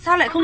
sao lại không